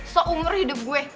seumur hidup gue